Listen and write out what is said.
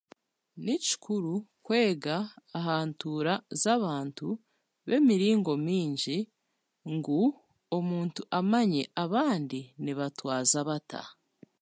Ni kikuru kwega aha ntuura z'abantu b'emiringo mingi ngu omuntu amanye abandi nibatwaza bata.